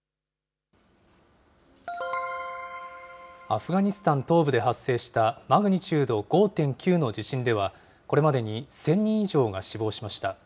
アフガニスタン東部で発生したマグニチュード５．９の地震では、これまでに１０００人以上が死亡しました。